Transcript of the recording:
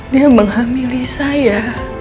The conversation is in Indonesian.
dia menghamili saya